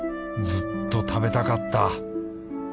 ずっと食べたかった